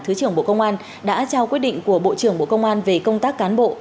thứ trưởng bộ công an đã trao quyết định của bộ trưởng bộ công an về công tác cán bộ